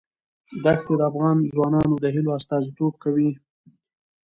دښتې د افغان ځوانانو د هیلو استازیتوب کوي.